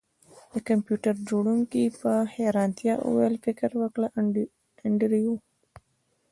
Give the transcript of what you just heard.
د کمپیوټر جوړونکي په حیرانتیا وویل فکر وکړه انډریو